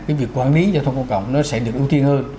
cái việc quản lý giao thông công cộng nó sẽ được ưu tiên hơn